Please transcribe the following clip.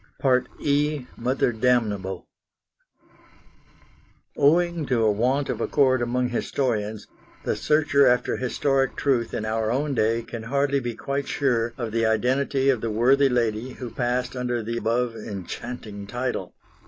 E. MOTHER DAMNABLE Owing to a want of accord among historians, the searcher after historic truth in our own day can hardly be quite sure of the identity of the worthy lady who passed under the above enchanting title.